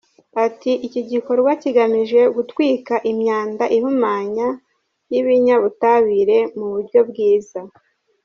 Ati “Iki gikorwa kigamije gutwika imyanda ihumanya y’ibinyabutabire mu buryo bwiza.